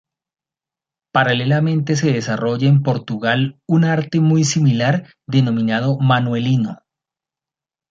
Paralelamente se desarrolla en Portugal un arte muy similar denominado manuelino.